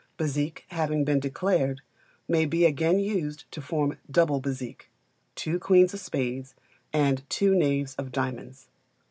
Bézique having been declared, may be again used to form Double Bezique two queens of spades and two knaves of diamonds.